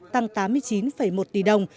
tăng tám mươi chín một tỷ đồng